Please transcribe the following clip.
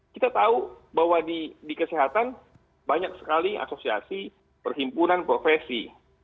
kita tahu bahwa di kesehatan banyak sekali asosiasi perhimpunan profesi